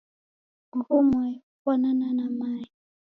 uhu mwai ofwanana na mae.